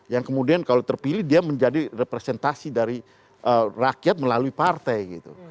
yang kemudian kalau terpilih dia menjadi representasi dari rakyat melalui partai gitu